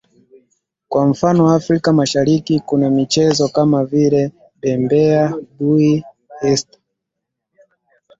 kwa mfano Afrika Mashariki kuna michezo kama vile BembeaBuye Esta